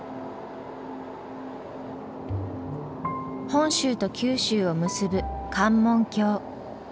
本州と九州を結ぶ関門橋。